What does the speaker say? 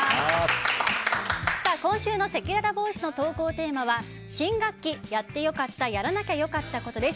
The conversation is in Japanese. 今週のせきららボイスの投稿テーマは新学期やってよかった・やらなきゃよかったコトです。